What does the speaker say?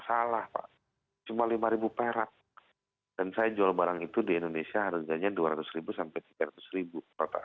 salah pak cuma lima ribu perak dan saya jual barang itu di indonesia harganya dua ratus ribu sampai tiga ratus